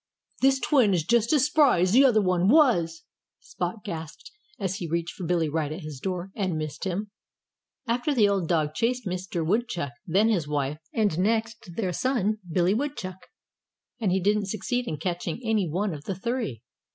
"This twin is just as spry as the other one was," Spot gasped as he reached for Billy right at his door and missed him. After that the old dog chased Mr. Woodchuck, then his wife, and next their son Billy Woodchuck. And he didn't succeed in catching any one of the three.